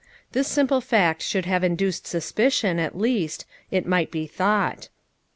This simple fact should have induced suspicion, at least, it might be thought.